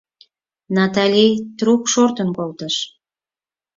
— Натали трук шортын колтыш.